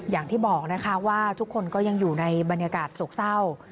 อย่างที่บอกนะคะว่าทุกคนก็ยังอยู่ในบรรยากาศโศกเศร้า